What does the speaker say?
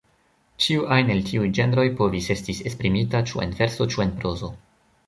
Ĉiu ajn el tiuj ĝenroj povis estis esprimita ĉu en verso ĉu en prozo.